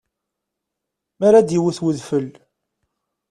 Mi ara d-iwwet udfel.